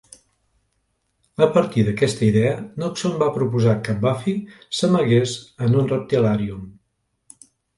A partir d'aquesta idea, Noxon va proposar que Buffy s'amagués en un reptilarium.